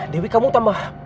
dewi kamu tambah